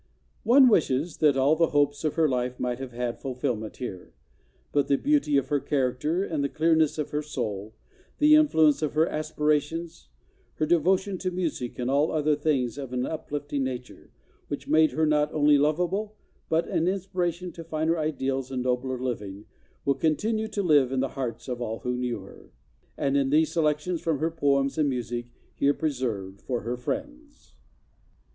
" One wishes that all the hopes of her life might have had fulfilment here, but the beauty of her character and the clear¬ ness of her soul, the influence of her aspirations, her devo¬ tion to music and all other things of an uplifting nature, which made her not only lovable but an inspiration to finer ideals and nobler living, will continue to live in the hearts of all who knew her, and in these selections from her poems and music here preserved for her friends.